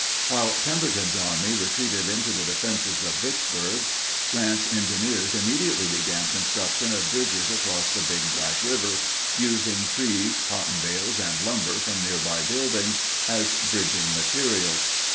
While Pemberton's Army retreated into the defenses of Vicksburg, Grant's engineers immediately began construction of bridges across the Big Black River, using trees, cotton bales, and lumber from nearby buildings as bridging materials.